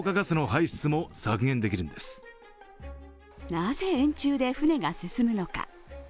なぜ円柱で船が進むのか。